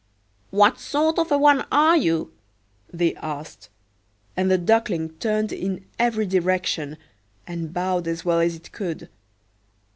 "What sort of a one are you?" they asked; and the Duckling turned in every direction, and bowed as well as it could.